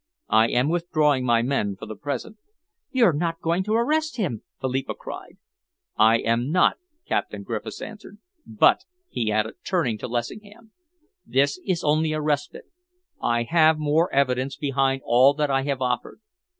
I am withdrawing my men for the present." "You're not going to arrest him?" Philippa cried. "I am not," Captain Griffiths answered. "But," he added, turning to Lessingham, "this is only a respite. I have more evidence behind all that I have offered.